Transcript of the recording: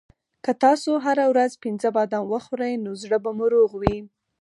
که تاسو هره ورځ پنځه بادام وخورئ نو زړه به مو روغ وي.